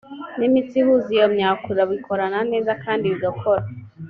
n imitsi ihuza iyo myakura bikorana neza kandi bigakora